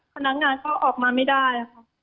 พนักงานก็ออกมาไม่ได้ค่ะ